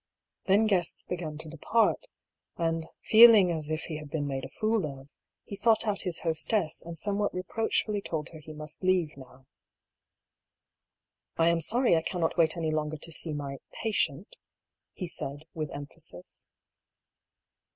Then guests began to depart, and feeling as if he had been made a fool of, he sought out his host ess and somewhat reproachfully told her he must leave, now. " I am sorry I cannot wait any longer to see mj pa tient" he said with emphasis.